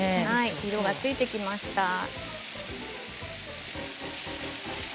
揚げ色がついてきました。